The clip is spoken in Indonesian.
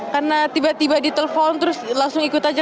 karena tiba tiba ditelepon terus langsung ikut aja